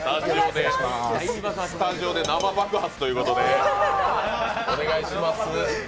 スタジオで生爆発ということでお願いします。